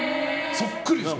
そっくりですよ。